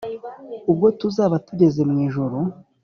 Ubwo tuzaba tugeze mwijuru